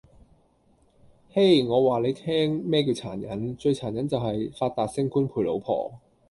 嘿!我話你聽咩叫殘忍，最殘忍就喺“發達，升官，陪老婆”!